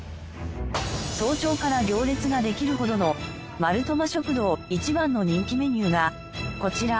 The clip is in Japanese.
早朝から行列ができるほどのマルトマ食堂一番の人気メニューがこちら。